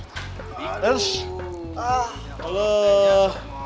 kamu ke dalam dulu ya